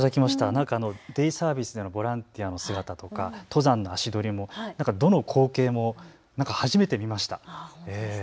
デイサービスでのボランティアの姿とか登山の足取りも、どの光景も初めて見ました。